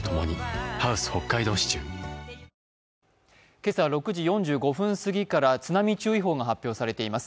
今朝６時４５分すぎから津波注意報が発表されています。